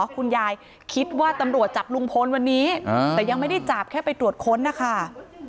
คุณยายคิดว่าตำรวจจับลุงพลวันนี้แต่ยังไม่ได้จับแค่ไปตรวจค้นนะคะ